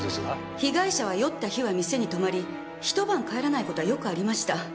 被害者は酔った日は店に泊まり一晩帰らない事はよくありました。